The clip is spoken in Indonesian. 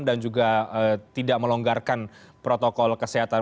dan juga tidak melonggarkan protokol kesehatan